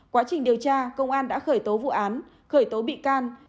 quá trình điều tra công an đã khởi tố vụ án khởi tố bị can